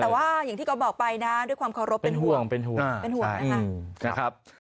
แต่ว่าอย่างที่เขาบอกไปนะด้วยความขอรบเป็นห่วงเป็นห่วงนะฮะ